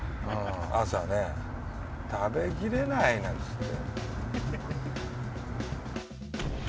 朝ね食べきれないなんつって。